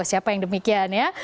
siapa yang demikian ya